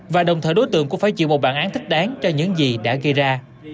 và đồng thời đối tượng cũng phải chịu một bản án thích đáng cho những gì đã gây ra